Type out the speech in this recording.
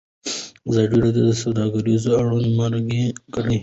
ازادي راډیو د سوداګري اړوند مرکې کړي.